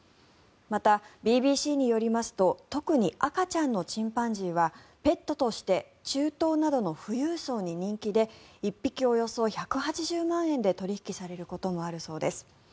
また、ＢＢＣによりますと特に赤ちゃんのチンパンジーはペットとして中東などの富裕層に人気で１匹およそ１８０万円で取引されることもあるそうです。